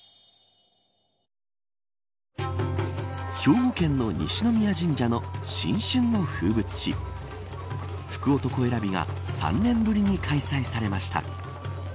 兵庫県の西宮神社の新春の風物詩福男選びが３年ぶりに開催されました。